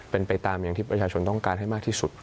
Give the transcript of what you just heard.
เป็นไปตามอย่างที่ประชาชนต้องการให้มากที่สุด